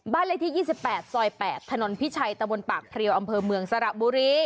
เลขที่๒๘ซอย๘ถนนพิชัยตะบนปากเพลียวอำเภอเมืองสระบุรี